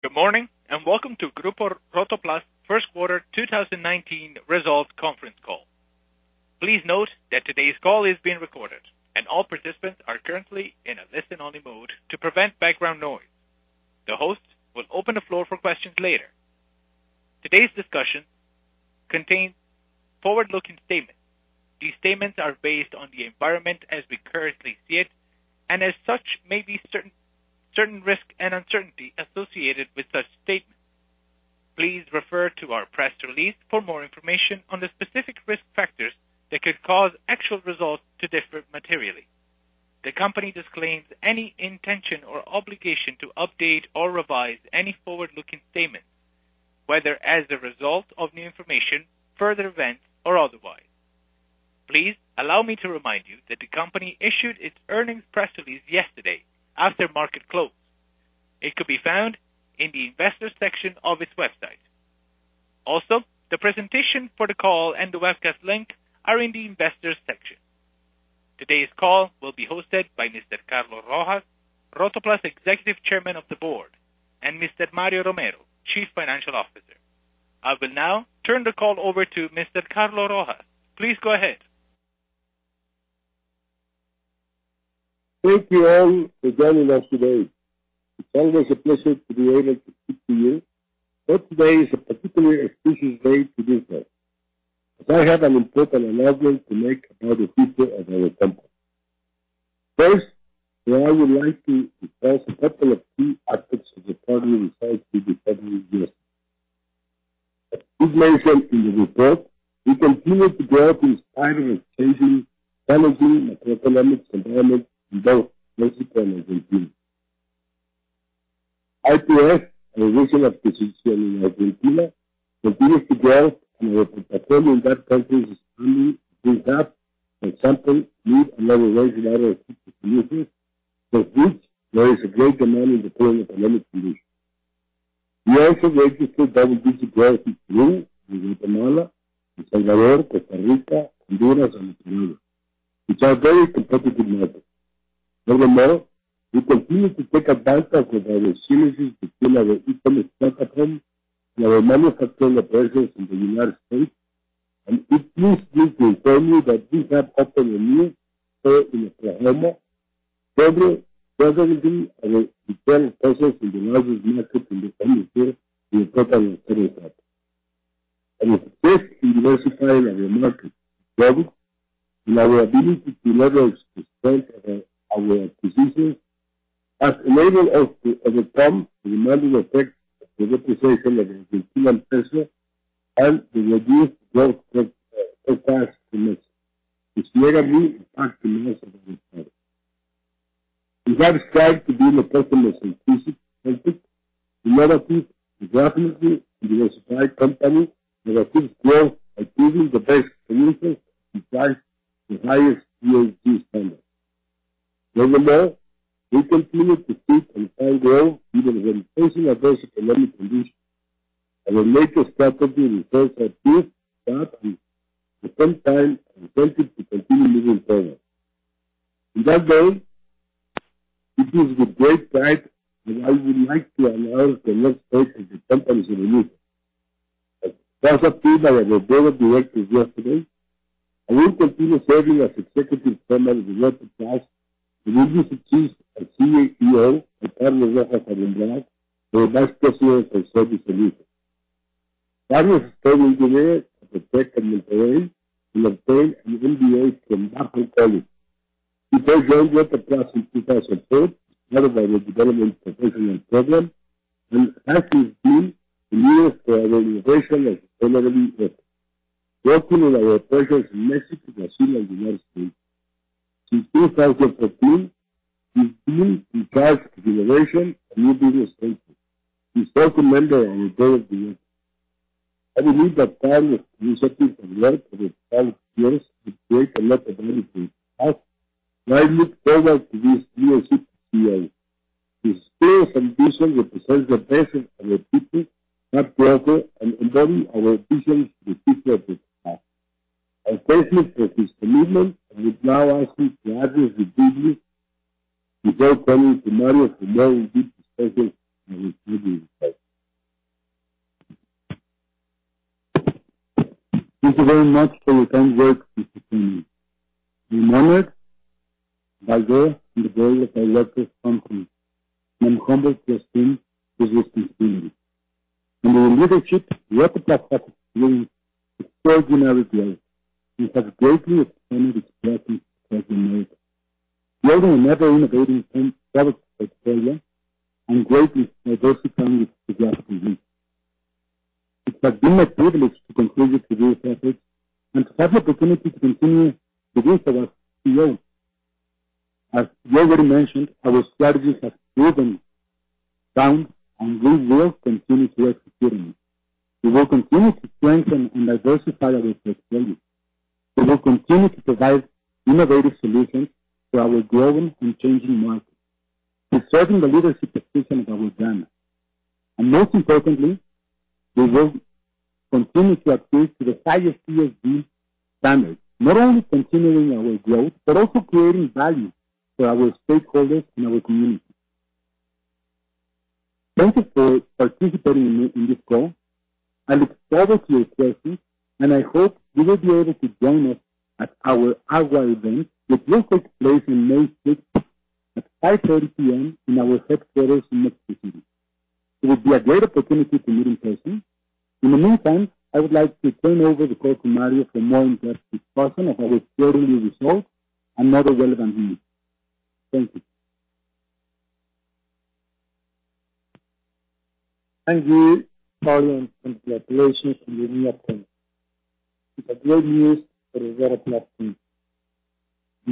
Good morning, and welcome to Grupo Rotoplas' first quarter 2019 results conference call. Please note that today's call is being recorded, and all participants are currently in a listen-only mode to prevent background noise. The host will open the floor for questions later. Today's discussion contains forward-looking statements. These statements are based on the environment as we currently see it, and as such, may be certain risk and uncertainty associated with such statements. Please refer to our press release for more information on the specific risk factors that could cause actual results to differ materially. The company disclaims any intention or obligation to update or revise any forward-looking statements, whether as a result of new information, further events, or otherwise. Please allow me to remind you that the company issued its earnings press release yesterday after market close. It could be found in the investor section of its website. Also, the presentation for the call and the webcast link are in the investors section. Today's call will be hosted by Mr. Carlos Rojas, Rotoplas' Executive Chairman of the Board, and Mr. Mario Romero, Chief Financial Officer. I will now turn the call over to Mr. Carlos Rojas. Please go ahead. Thank you all for joining us today. It's always a pleasure to be able to speak to you, but today is a particularly auspicious day to do so, as I have an important announcement to make about the future of our company. First, I would like to address a couple of key aspects of the company results for the current year. As is mentioned in the report, we continue to grow up in spite of changing, challenging macroeconomic environments in both Mexico and Argentina. IPS, our regional acquisition in Argentina, continues to grow, and our portfolio in that country is only built up by something new, another large amount of new solutions, for which there is a great demand in the current economic conditions. We also registered double-digit growth in Peru and Guatemala, El Salvador, Costa Rica, Honduras, and Ecuador, which are very competitive markets. Furthermore, we continue to take advantage of our synergies between our e-commerce platform and our manufacturing operations in the United States, and it is due to this only that we have opened a new store in Oklahoma, further strengthening our retail presence in the United States and the total external market. The success in diversifying our market presence and our ability to leverage the strength of our acquisitions has enabled us to overcome the negative effects of the depreciation of the Chilean peso and the reduced growth of Coca-Cola in Mexico, which negatively impacted most of our results. We have strived to be an exceptional citizen company, innovative, and rapidly diversified company that achieves growth by producing the best solutions and drives the highest ESG standards. Furthermore, we continue to seek and find growth even in facing adverse economic conditions. Our latest strategy reflects our deep thoughts and, at the same time, our intent to continue moving forward. To that end, this is the great time that I would like to announce the next stage in the company's evolution. As part of the Board of Directors yesterday, I will continue serving as Executive Chairman of Rotoplas and will be succeeded as CEO by Carlos Rojas Aboumrad, our Vice President of Sales and Retail. Carlos is currently a mechanical engineer and obtained an MBA from Babson College. He first joined Rotoplas in 2004 as part of our development professional program and has since been the leader for our innovation and sustainability efforts, working with our operations in Mexico, Brazil, and the U.S. Since 2013, he's been in charge of innovation and new business ventures. He's also a member of our Board of Directors. I believe that Carlos, who has worked for the past years to create a lot of value for us, and I look forward to his new role as CEO. His skills and vision represent the best of our people, hard worker, and embody our vision for the future of this path. A testament of his commitment, I would now ask him to address the assembly before turning to Mario for a more in-depth discussion of our key results. Thank you very much for your kind words, Mr. Chairman. I'm honored by your and the board of our largest company, and I'm humbled to assume this responsibility. Under your leadership, Rotoplas has experienced extraordinary growth and has greatly expanded its presence across America, building an ever-innovating product portfolio, and greatly diversifying its geographic reach. It has been my privilege to contribute to this effort and to have the opportunity to continue to do so as CEO. As you already mentioned, our strategies have proven sound, and we will continue to execute on them. We will continue to strengthen and diversify our portfolio. We will continue to provide innovative solutions to our growing and changing markets, conserving the leadership positions that we've done. Most importantly, we will continue to adhere to the highest ESG standards, not only continuing our growth, but also creating value for our stakeholders and our community. Thank you for participating in this call. I look forward to your questions, and I hope you will be able to join us at our AWWA event, which will take place on May 6th at 5:30 P.M. in our headquarters in Mexico City. It would be a great opportunity to meet in person. In the meantime, I would like to turn over the call to Mario for a more interactive discussion of our quarterly results and other relevant news. Thank you. Thank you, Carlos, and congratulations on the earnings. It is great news for the Rotoplas team.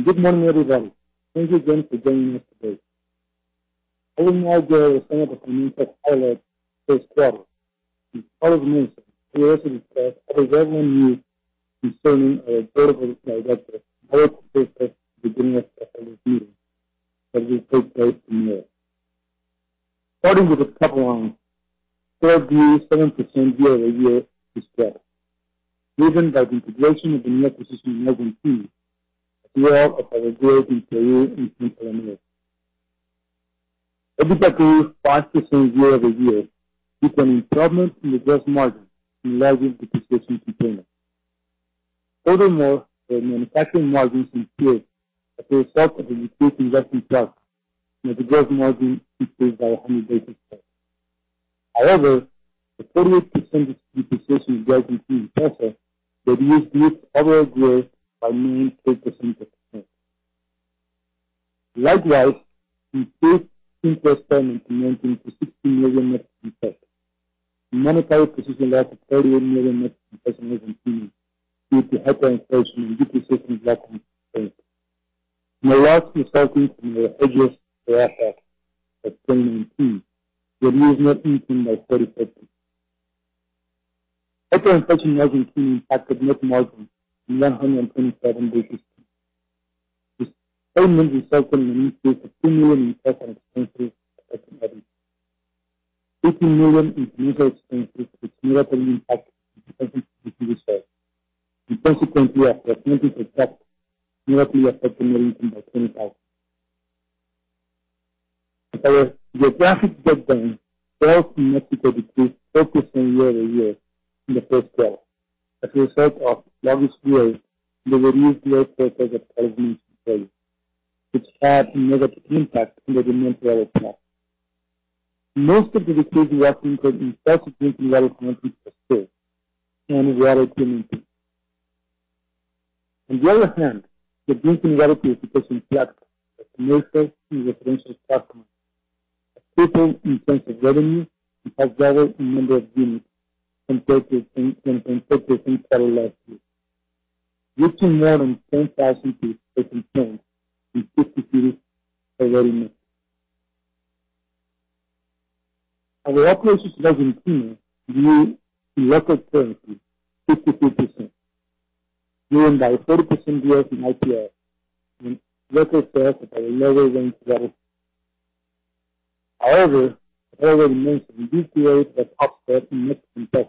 Good morning, everybody. Thank you again for joining us today. I would now give the floor to Mario Perez Caro. He will commence with the overview of the quarter's relevant news concerning our quarterly results before proceeding to the Q&A session that will take place in a moment. Starting with the top line, sales grew 7% year-over-year this quarter, driven by the integration of the new acquisition in Argentina, as well as our growth in Peru and Central America. EBITDA grew 5% year-over-year due to an improvement in the gross margin and lower depreciation expenses. Furthermore, the manufacturing margins improved as a result of a reduced investment cycle, and the gross margin increased by 100 basis points. The 46% depreciation growth in Peru reduced this overall growth by mainly 3 percentage points. Likewise, we paid interest payments amounting to MXN 69 million, and monetized precision loans of 38 million in 2019 due to hyperinflation and depreciation of local currency. The loss resulting from the adjusted fair value at 2019 reduced net income by 30%. Hyperinflation in 2019 impacted net margins by 127 basis points. This payment resulted in an increase of 2 million in operational expenses in 2019. 18 million in legal expenses, which negatively impacted 2019 results. In consequence, we are planning to cap negative effects in 2020. Our geographic breakdown, sales in Mexico decreased 4% year-over-year in the first quarter as a result of lower sales and the reduced sales forces of our main customers, which had a negative impact on the demand for our products. Most of the decrease was incurred in bottled drinking water contracts for stores and water dispensing. On the other hand, the drinking water purification plants for commercial and residential customers are stable in terms of revenue and have grown in number of units compared to the same quarter last year, reaching more than 10,000 pieces in June and MXN 53 in revenue. Our operations in 2019 reached record currency, 53%, driven by 40% growth in ITR and local sales of our lower range products. However, as already mentioned, this year there was an upset in MXN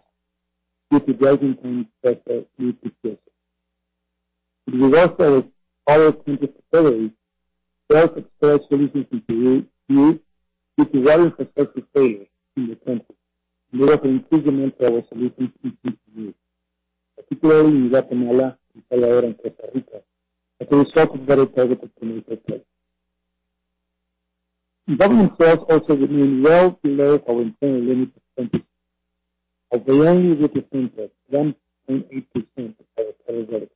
due to rising interest rates and depreciation. The results of our power purchase agreements brought express solutions to you due to water scarcity failures in the country and therefore the improvement of our solutions in Peru, particularly in Guatemala and Calera in Costa Rica, as a result of very targeted promotional plans. Inventory costs also remained well below our internal limits as they only represented 1.8% of our sales.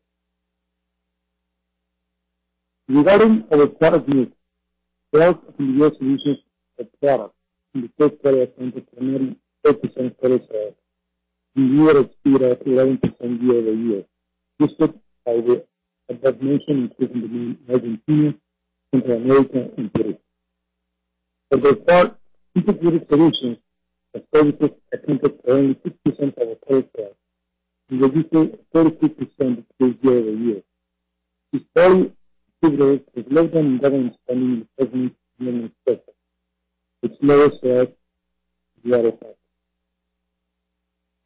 Regarding our product mix, sales of new solutions of products in the first quarter accounted for 30% of total sales, with year-over-year growth of 11% year-over-year, boosted by the advancement including the new Argentina, Central America, and Peru. As for tap, digital solutions accounted for only 6% of our total sales and registered a 33% decrease year-over-year. This probably indicates a slowdown in government spending in the public human sector, which lowers sales to the other side.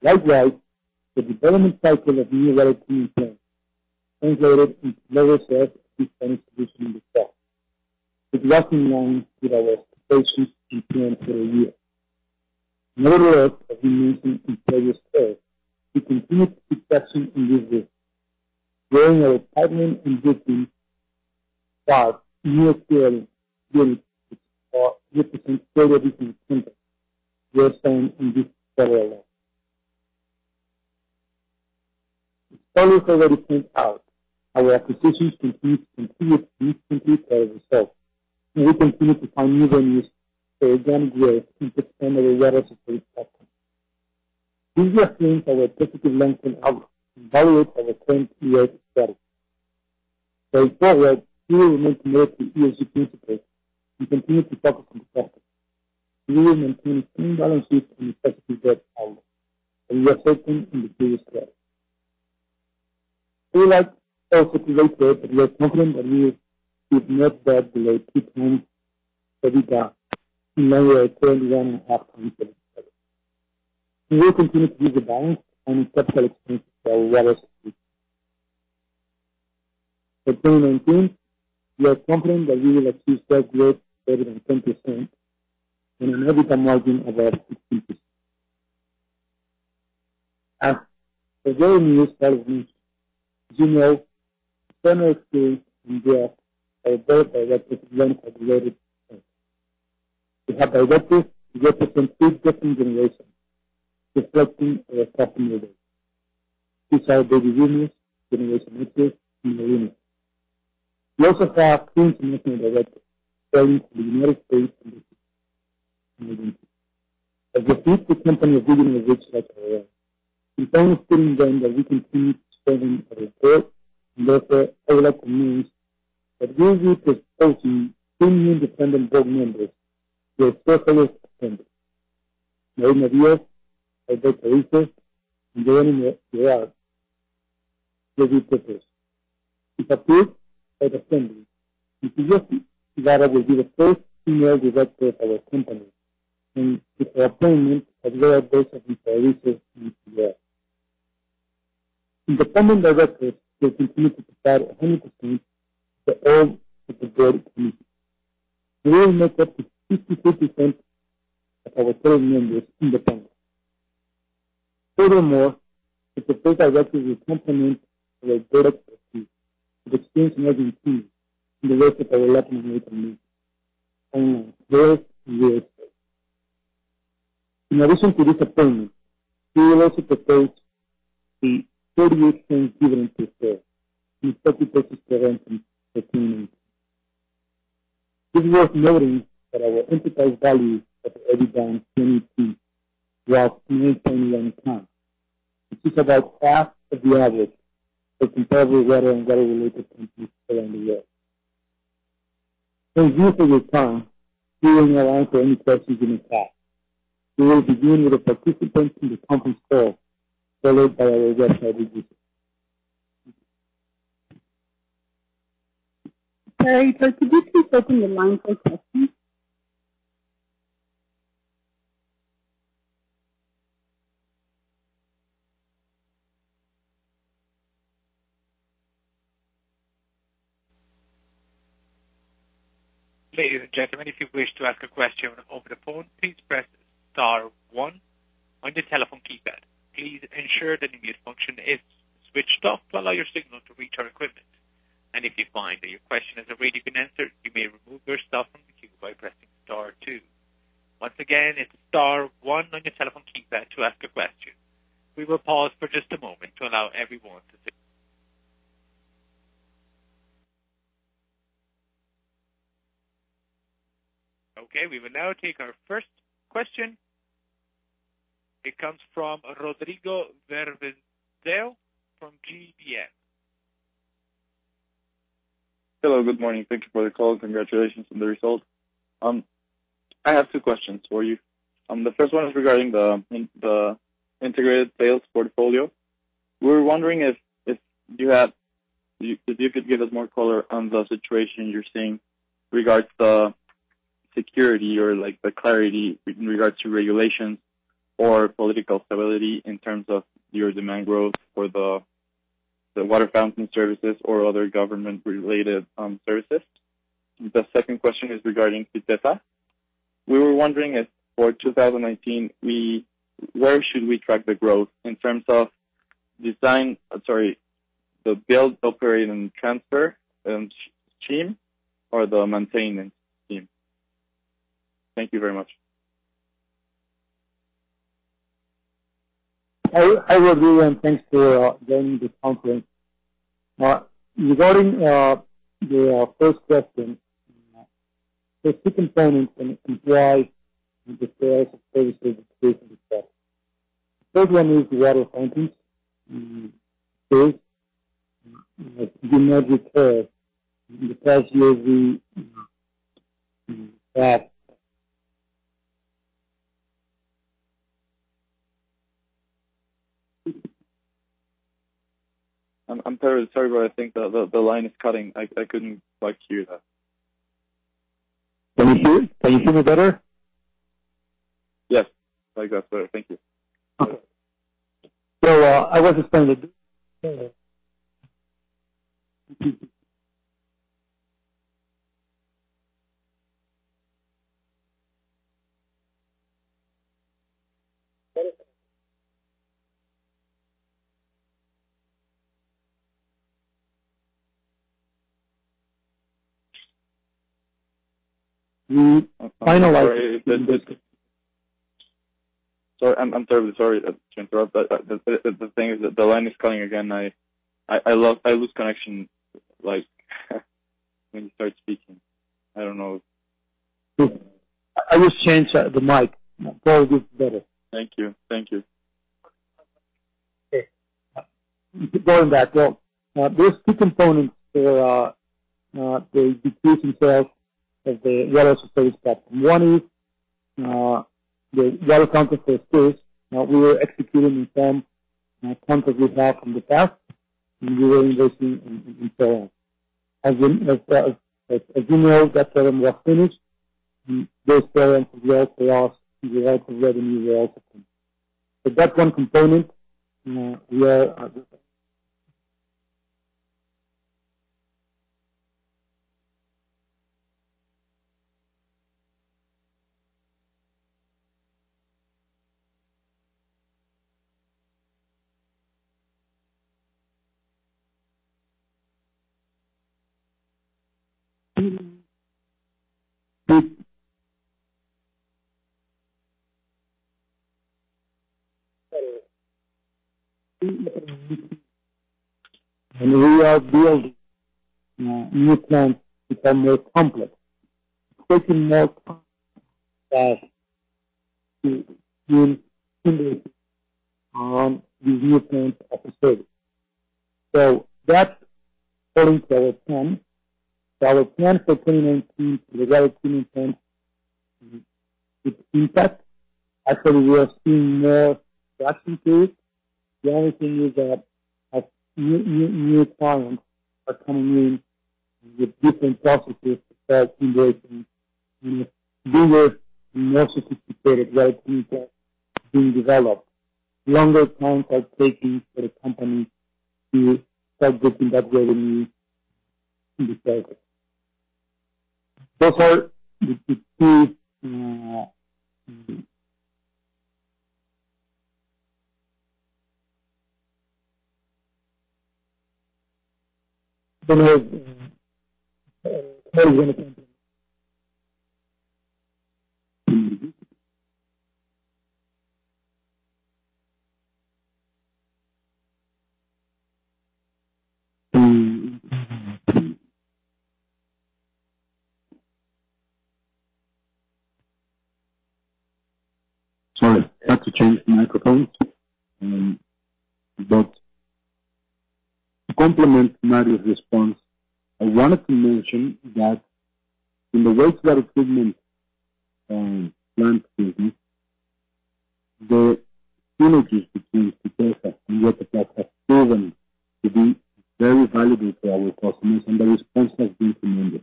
Likewise, the development cycle of new water treatment plants translated into lower sales of existing solutions this quarter. It is walking along with our expectations in terms of the year. Moreover, as we mentioned in previous calls, we continued the discussion in this group, growing our pipeline in between five new clear units which represent 30% impact year-on-year, quarter-on-quarter. As Carlos already pointed out, our acquisitions continue to contribute significantly to our results, and we continue to find new avenues for organic growth in the primary water supply segment. These are things our executive team can have and evaluate our current year-to-date. Going forward, we will remain committed to ESG principles and continue to focus on the topic. We will maintain clean balances and effective debt levels, as we have stated in the previous slide. We are also delighted that we are confident that we did not have the EBITDA in our 2021 outcome. We will continue to use the balance and capital expenses for water solutions. For 2019, we are confident that we will achieve sales growth better than 10% and an EBITDA margin of about 15%. As for the new part of this, as you know, the general assembly, there are board directors. We have directors who represent three different generations, reflecting our customer base. These are baby boomers, Generation X, and millennial. We also have three additional directors joining the U.S. As a listed company of global reach like ours, it's only fitting that we continue to strengthen our board. Therefore, I would like to announce that we will be proposing three new independent board members to the shareholders assembly. Marina Diaz, Alberto Arizu, and Jerónimo Gerard. If approved by the Assembly, Ms. Diaz Ibarra will be the first female director of our company, and with her appointment, as well as those of Mr. Izzo and Ms. Leal. Independent directors will continue to provide a unique view to all of the board committees. They will make up to 50% of our board members independent. Furthermore, the three directors will complement our board expertise with experience in IT and the wastewater management arena, among various fields. In addition to this appointment, we will also propose a MXN 0.38 dividend per share and a stock-repurchase program for 2019. It's worth noting that our enterprise value at the EV/EBITDA TTM was 9.1 times, which is about half of the average of comparable water and water-related companies around the world. Thank you for your time. We will now answer any questions in the chat. We will begin with the participants in the conference call, followed by our website visitors. Operator, could you please open the line for questions? Ladies and gentlemen, if you wish to ask a question over the phone, please press star 1 on your telephone keypad. Please ensure that the mute function is switched off to allow your signal to reach our equipment. If you find that your question has already been answered, you may remove yourself from the queue by pressing star 2. Once again, it's star 1 on your telephone keypad to ask a question. We will pause for just a moment to allow everyone. Okay, we will now take our first question. It comes from Rodrigo Verdinzel from GBM. Hello. Good morning. Thank you for the call. Congratulations on the results. I have 2 questions for you. The first one is regarding the integrated sales portfolio. We were wondering if you could give us more color on the situation you're seeing regards the security or the clarity in regards to regulations or political stability in terms of your demand growth for the water fountain services or other government-related services. The second question is regarding Sytesa. We were wondering if for 2019, where should we track the growth in terms of sorry, the build, operate, and transfer team or the maintenance team? Thank you very much. Hi, Rodrigo, thanks for joining this conference. Regarding the first question, there are 2 components in price in the sales of services. The third one is the water fountains. First, do not require in the past years, we have. I'm terribly sorry, I think the line is cutting. I couldn't quite hear that. Can you hear? Can you hear me better? Yes. Like that, sir. Thank you. Okay. I was explaining. I'm sorry. I'm terribly sorry to interrupt. The thing is that the line is cutting again. I lose connection, like when you start speaking. I don't know. I will change the mic. Probably be better. Thank you. Okay. Going back. There are two components to the decrease in sales of the water space. One is The water contracts are first. We were executing some contracts we had from the past. We were investing in sales. As you know, that problem was finished. Those sales will also last, and the rates of revenue will also come. That's one component. We are building new plants to become more complex. It's taking more time than we anticipated with new plants up and running. That's according to our plan. Our plan for 2019, the water treatment plan, is intact. Actually, we are seeing more traction to it. The only thing is that new clients are coming in with different processes that are similar and bigger and more sophisticated wastewater being developed. It is taking longer time for the company to start getting that revenue in the process. Those are the two. Sorry, had to change the microphone. To complement Mario's response, I wanted to mention that in the wastewater treatment plant business, the synergies between Sytesa and Waterplan have proven to be very valuable to our customers, and the response has been tremendous.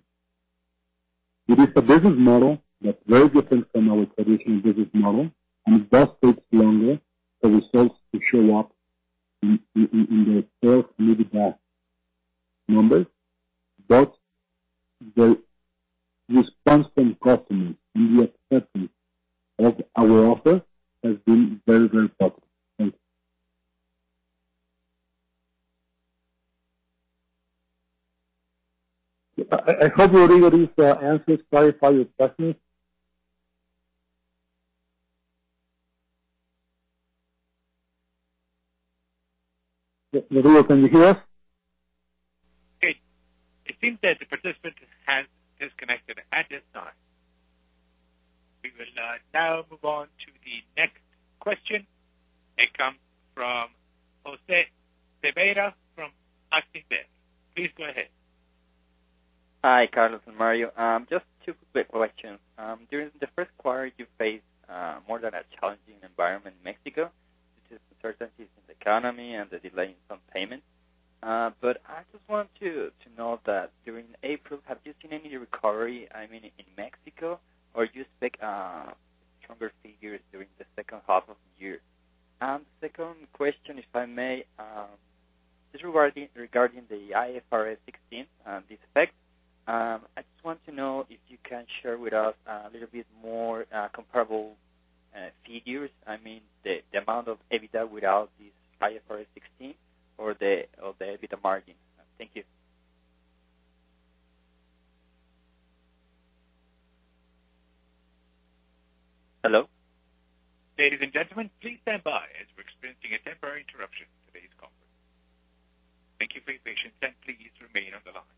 It is a business model that's very different from our traditional business model, and it does take longer for results to show up in the sales and EBITDA numbers. The response from customers and the acceptance of our offer has been very, very positive. Thank you. I hope, Rodrigo, these answers clarify your question. Rodrigo, can you hear us? It seems that the participant has disconnected at this time. We will now move on to the next question. It comes from José Cebeira from Actinver. Please go ahead. Hi, Carlos and Mario. Just two quick questions. During the first quarter, you faced more than a challenging environment in Mexico due to uncertainties in the economy and the delay in some payments. I just want to know that during April, have you seen any recovery, I mean, in Mexico? Do you expect stronger figures during the second half of the year? Second question, if I may, just regarding the IFRS 16, this effect. I just want to know if you can share with us a little bit more comparable figures. I mean, the amount of EBITDA without this IFRS 16 or the EBITDA margin. Thank you. Hello? Ladies and gentlemen, please stand by as we're experiencing a temporary interruption in today's conference. Thank you for your patience, and please remain on the line.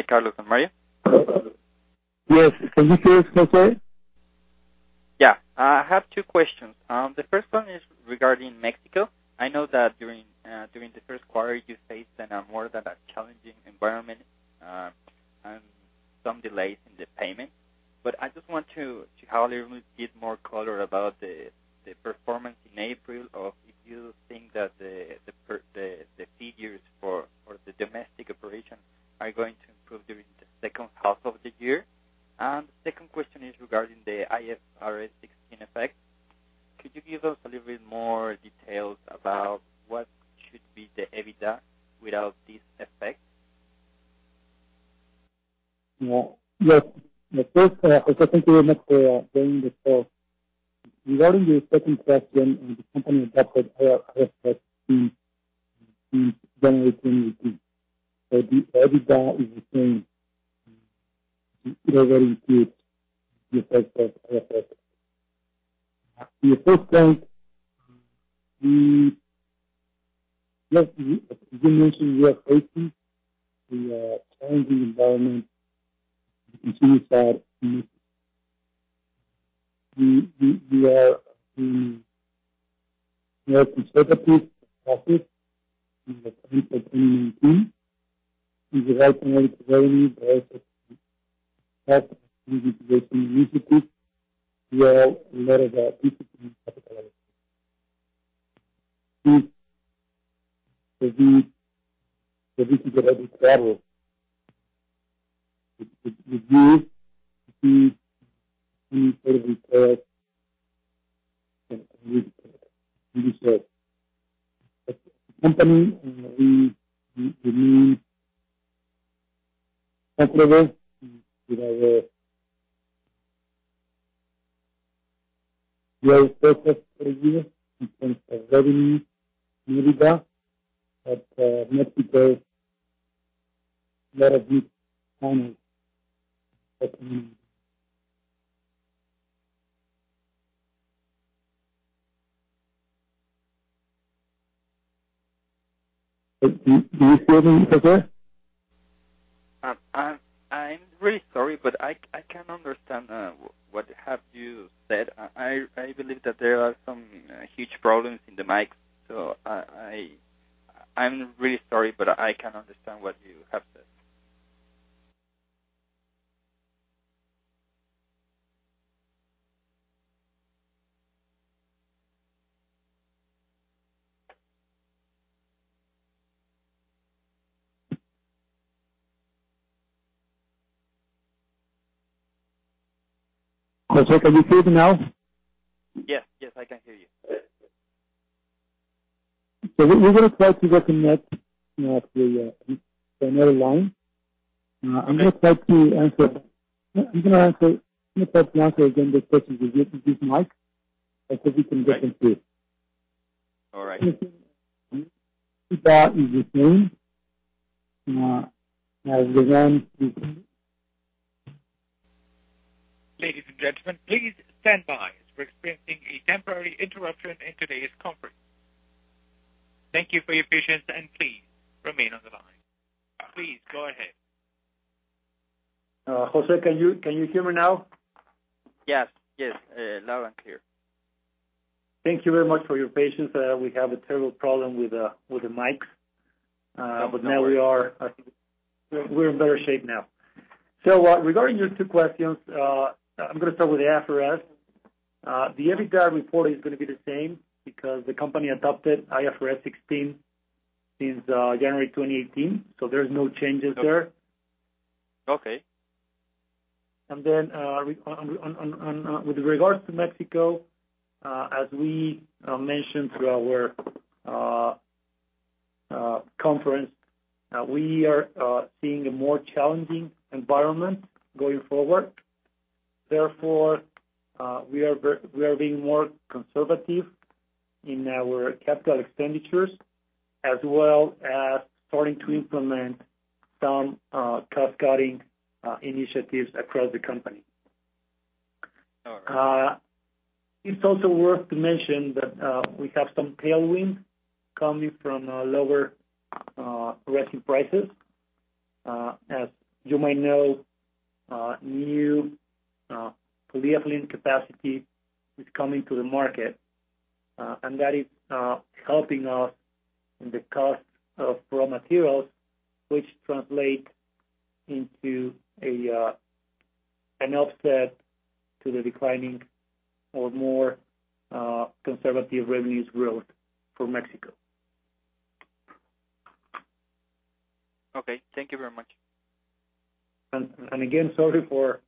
Please go ahead. Hi, Carlos and Mario. Yes. Can you hear us now, sir? I have two questions. The first one is regarding Mexico. I know that during the first quarter you faced more of a challenging environment and some delays in the payment. I just want you to give more color about the performance in April, or if you think that the figures for the domestic operation are going to improve during the second half of the year. Second question is regarding the IFRS 16 effect. Could you give us a little bit more details about what should be the EBITDA without this effect? Yes. First, José, thank you very much for joining the call. Regarding your second question, the company adopted IFRS 16 in January 2018. The EBITDA is the same. It already includes the effect of IFRS. The first point, as you mentioned, we are facing the challenging environment in the consumer side in Mexico. We are being more conservative in CAPEX in 2019. At the right point, very aggressive in CAPEX in Mexico. We are in a lot of a difficult capital As you see in the quarter report, the company, we remain comfortable with our in terms of revenue in EBITDA. Mexico is a lot of big challenge at the moment. Can you hear me, José? I'm really sorry, but I can't understand what you have said. I believe that there are some huge problems in the mic. I'm really sorry, but I can't understand what you have said. José, can you hear me now? Yes. I can hear you. We're going to try to reconnect you to another line. I'm going to try to answer again the questions with this mic, and so we can get them to you. All right. EBITDA is the same as the Ladies and gentlemen, please stand by, as we're experiencing a temporary interruption in today's conference. Thank you for your patience, and please remain on the line. Please go ahead. José, can you hear me now? Yes. Loud and clear. Thank you very much for your patience. We have a terrible problem with the mic. No worries. Now we're in better shape now. Regarding your two questions, I'm going to start with the IFRS. The EBITDA report is going to be the same because the company adopted IFRS 16 since January 2018, there's no changes there. Okay. With regards to Mexico, as we mentioned through our conference, we are seeing a more challenging environment going forward. Therefore, we are being more conservative in our capital expenditures, as well as starting to implement some cost-cutting initiatives across the company. All right. It's also worth to mention that we have some tailwind coming from lower resin prices. As you might know, new polyethylene capacity is coming to the market, and that is helping us in the cost of raw materials, which translate into an offset to the declining or more conservative revenues growth for Mexico. Okay. Thank you very much. Again, sorry for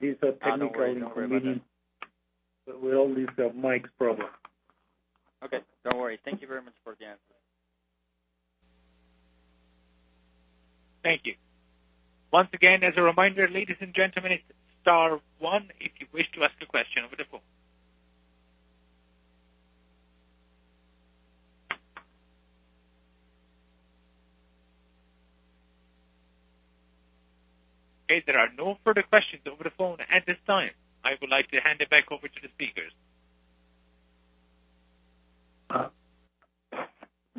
these technical inconvenience- No worry. We only have mic problem. Okay. Don't worry. Thank you very much for the answer. Thank you. Once again, as a reminder, ladies and gentlemen, it's star one if you wish to ask a question over the phone. There are no further questions over the phone at this time. I would like to hand it back over to the speakers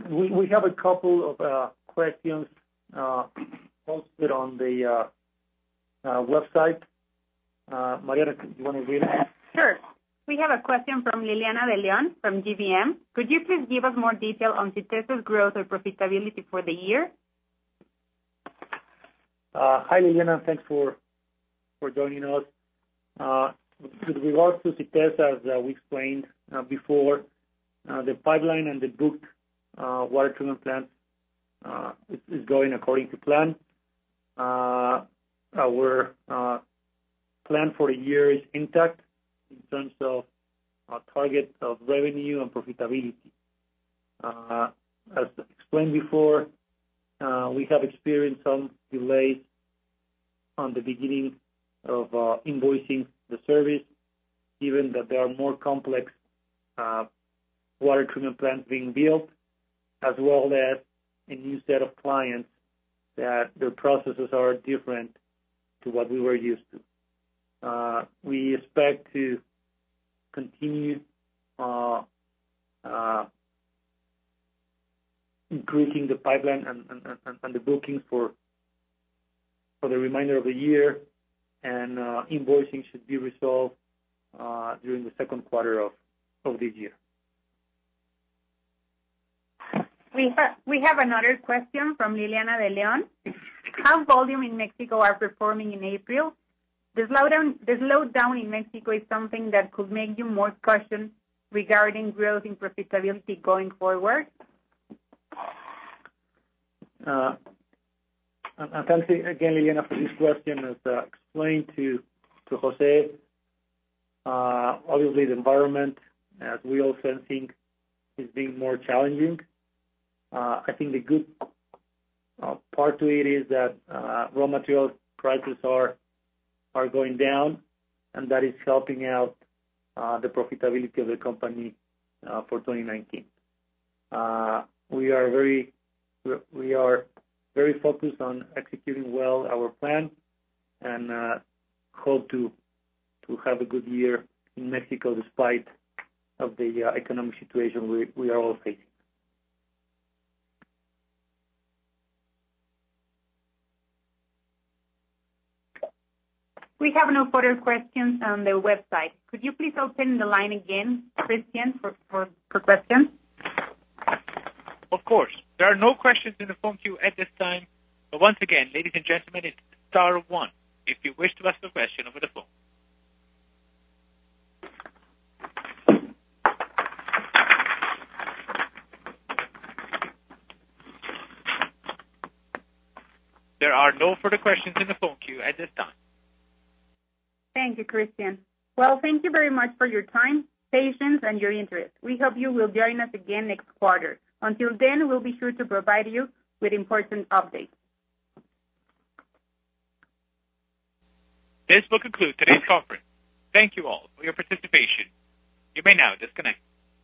We have a couple of questions posted on the website. Mariana, you want to read them? Sure. We have a question from Liliana De Leon from GBM. Could you please give us more detail on Sytesa's growth or profitability for the year? Hi, Liliana. Thanks for joining us. With regards to Sytesa, as we explained before, the pipeline and the booked water treatment plant is going according to plan. Our plan for the year is intact in terms of our target of revenue and profitability. As explained before, we have experienced some delays on the beginning of invoicing the service, given that there are more complex water treatment plants being built, as well as a new set of clients that their processes are different to what we were used to. We expect to continue increasing the pipeline and the bookings for the remainder of the year, and invoicing should be resolved during the second quarter of this year. We have another question from Liliana De Leon. How volume in Mexico are performing in April? The slowdown in Mexico is something that could make you more cautious regarding growth and profitability going forward? Thanks again, Liliana, for this question. As explained to José, obviously the environment, as we all sensing, is being more challenging. I think the good part to it is that raw material prices are going down, and that is helping out the profitability of the company for 2019. We are very focused on executing well our plan and hope to have a good year in Mexico despite of the economic situation we are all facing. We have no further questions on the website. Could you please open the line again, Christian, for questions? Of course. There are no questions in the phone queue at this time. Once again, ladies and gentlemen, it's star one if you wish to ask a question over the phone. There are no further questions in the phone queue at this time. Thank you, Christian. Well, thank you very much for your time, patience, and your interest. We hope you will join us again next quarter. Until then, we'll be sure to provide you with important updates. This will conclude today's conference. Thank you all for your participation. You may now disconnect.